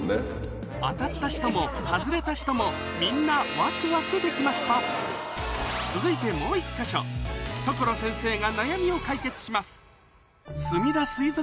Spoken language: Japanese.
当たった人も外れた人もみんなワクワクできました続いてもう１か所所先生が悩みを解決します